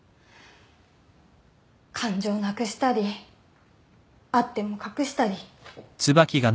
感情なくしたりあっても隠したり。